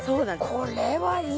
これはいい！